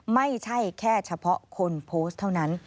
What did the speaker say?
ไม่ใช่แค่เฉพาะคนโพสต์เท่านั้น